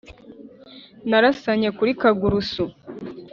Narasanye kuri Kagurusu